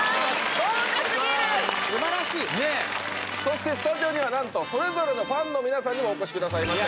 豪華すぎるすばらしいそしてスタジオにはなんとそれぞれのファンの皆さんにもお越しくださいました